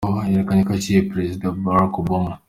Yerekanye ko ashyigikiye Perezida Barack Obama.